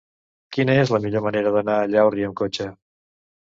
Quina és la millor manera d'anar a Llaurí amb cotxe?